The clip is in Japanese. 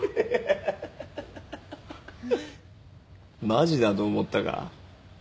マジだと思ったか？